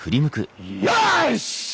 よし！